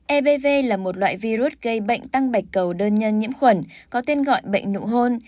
ev là một loại virus gây bệnh tăng bạch cầu đơn nhân nhiễm khuẩn có tên gọi bệnh nụ hôn